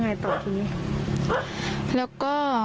ความปลอดภัยของนายอภิรักษ์และครอบครัวด้วยซ้ำ